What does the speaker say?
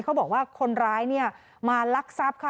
เขาบอกว่าคนร้ายเนี่ยมาลักทรัพย์ค่ะ